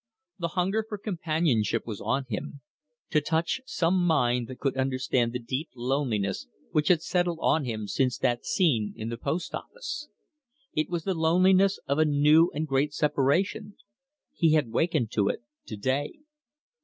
The hunger for companionship was on him: to touch some mind that could understand the deep loneliness which had settled on him since that scene in the postoffice. It was the loneliness of a new and great separation. He had wakened to it to day.